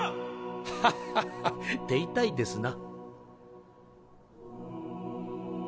ハッハッハ手痛いですな。